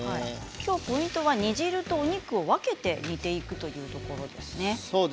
きょう、ポイントは煮汁とお肉を分けて煮ていくというところですね。